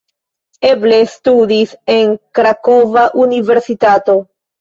Eble studis en Krakova universitato.